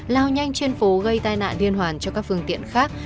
lao nhanh trên phố gây tai nạn liên hoàn cho các phương tiện khác